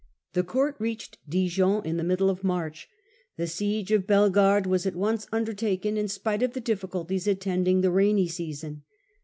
The court reached Dijon in the middle of March. The siege of Bellegarde was at once undertaken in spite The siege of the difficulties attending the rainy season.